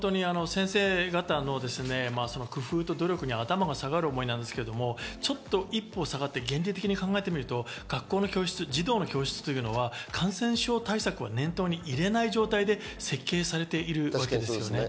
先生方の工夫と努力に頭が下がる思いなんですけど、ちょっと一歩下がって、現代的に考えると学校の教室、児童の教室というのは、感染症対策は念頭に入れない状態で設計されている気がします。